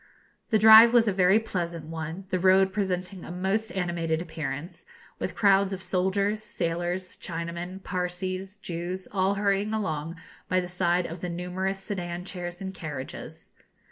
The drive was a very pleasant one, the road presenting a most animated appearance, with crowds of soldiers, sailors, Chinamen, Parsees, Jews, all hurrying along by the side of the numerous sedan chairs and carriages.